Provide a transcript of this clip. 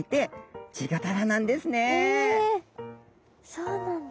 そうなんだ。